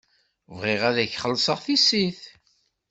Bɣiɣ ad k-xellṣeɣ tissit.